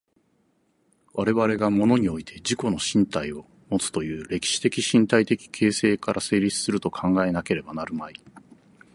我々が物において自己の身体をもつという歴史的身体的形成から成立すると考えなければなるまい。